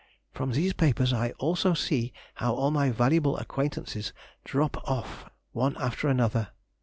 From these papers I also see how all my valuable acquaintances drop off one after another.